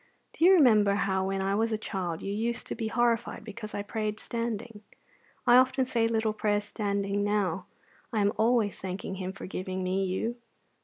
Do you remember how, when I was a child, you used to be horrified because I prayed standing? I often say little prayers standing now; I am always thanking Him for giving me you.